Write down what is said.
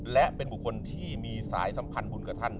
และเป็นบุคคลที่มีสายสัมพันธ์บุญกับท่าน